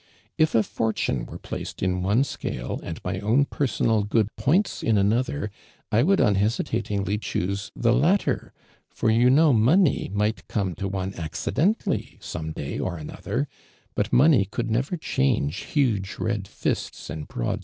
If a fortune were placed in on(> scale and my own ])ersonal good points in another, 1 would unhesitatingly choose the 1 ittcr ; for you know money might come to one accidentally some day or anotlier, but money could never change huge red Hsts and broad